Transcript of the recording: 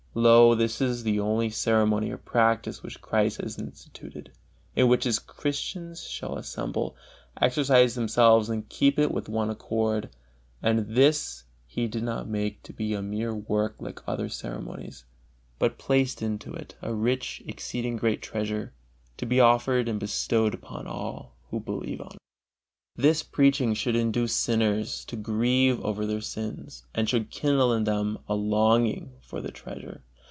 Lo! this is the only ceremony or practice which Christ has instituted, in which His Christians shall assemble, exercise themselves and keep it with one accord; and this He did not make to be a mere work like other ceremonies, but placed into it a rich, exceeding great treasure, to be offered and bestowed upon all who believe on it. This preaching should induce sinners to grieve over their sins, and should kindle in them a longing for the treasure.